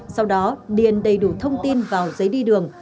sau đó điền đầy đủ thông tin vào giấy đi đường